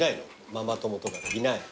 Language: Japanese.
ママ友とかいないの？